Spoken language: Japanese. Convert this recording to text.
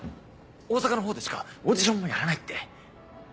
大阪の方でしかオーディションもやらないって。